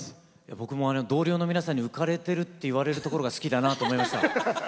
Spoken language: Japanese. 僕も同僚の皆さんに浮かれてるって言われるところが好きだなと思いました。